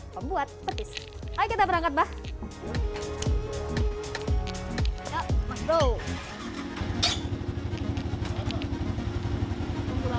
pembuat petis ayo kita berangkat bahwa hai